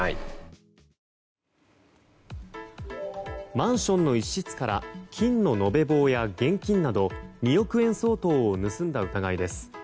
マンションの一室から金の延べ棒や現金など２億円相当を盗んだ疑いです。